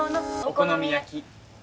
お好み焼き。